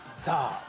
さあ